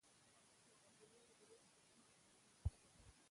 د چاپېریال د هویت ساتونکي ځوانان دي.